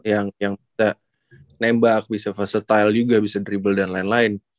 yang yang bisa nembak bisa fast style juga bisa dribble dan lain lain